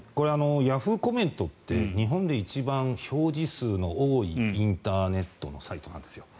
ヤフーコメントって日本で一番表示数の多いインターネットのサイトなんです。